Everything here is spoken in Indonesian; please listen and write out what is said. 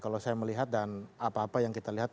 kalau saya melihat dan apa apa yang kita lihat